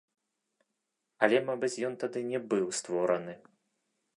Але, мабыць, ён тады не быў створаны.